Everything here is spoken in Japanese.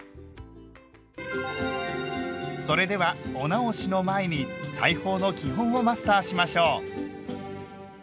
それではお直しの前に裁縫の基本をマスターしましょう。